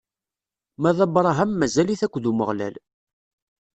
Ma d Abṛaham mazal-it akked Umeɣlal.